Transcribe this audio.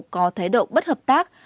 có thái độ bất hợp tác